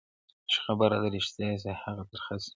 چي خبره د رښتیا سي هم ترخه سي,